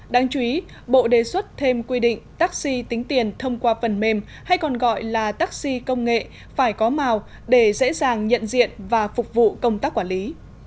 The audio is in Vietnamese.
đáng chú ý bộ đề xuất thêm quy định taxi tính tiền thông qua phần mềm hay còn gọi là taxi công nghệ phải có màu để dễ dàng nhận diện và phục vụ công tác quản lý